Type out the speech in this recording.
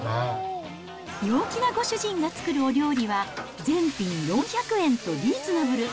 陽気なご主人が作るお料理は、全品４００円とリーズナブル。